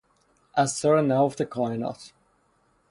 اسرار نهفت کائنات